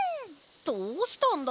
どうしたんだ？